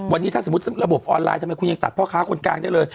วันนี้ถ้าสมมุติระบบออนไลน์ทำไมคุณยังตัดพ่อค้าคนกลางได้เลย